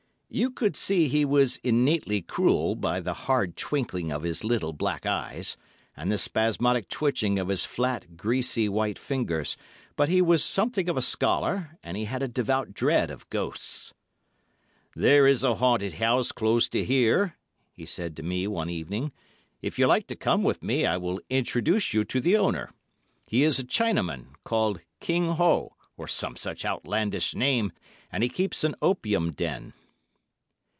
You could see he was innately cruel by the hard twinkling of his little black eyes, and the spasmodic twitching of his flat, greasy, white fingers, but he was something of a scholar and he had a devout dread of ghosts. "There is a haunted house close to here," he said to me one evening; "if you like to come with me I will introduce you to the owner. He is a Chinaman, called King Ho, or some such outlandish name, and he keeps an opium den."